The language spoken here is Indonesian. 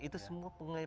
itu semua punya pengertian